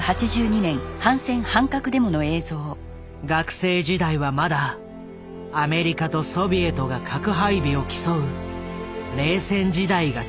学生時代はまだアメリカとソビエトが核配備を競う冷戦時代が続いていた。